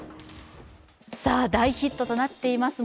大ヒットとなっています